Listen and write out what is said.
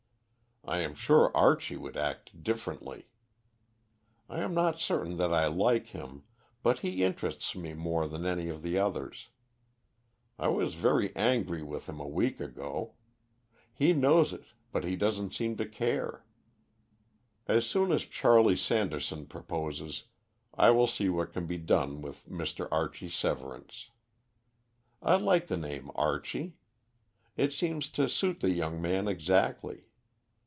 I am sure Archie would act differently. I am not certain that I like him, but he interests me more than any of the others. I was very angry with him a week ago. He knows it, but he doesn't seem to care. As soon as Charley Sanderson proposes, I will see what can be done with Mr. Archie Severance. "I like the name Archie. It seems to suit the young man exactly.